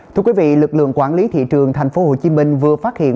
thưa quý vị lực lượng quản lý thị trường tp hcm vừa phát hiện